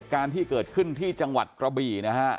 การที่เกิดขึ้นที่จังหวัดกระบี่นะฮะ